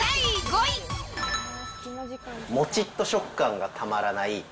もちっと食感がたまらない